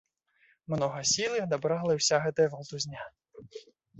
Многа сілы адабрала і ўся гэтая валтузня.